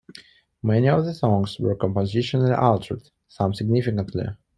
Many of the songs were compositionally altered, some significantly.